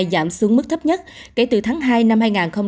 giảm xuống mức thấp nhất kể từ tháng hai năm hai nghìn hai mươi